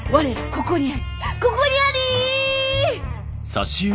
ここにあり！」。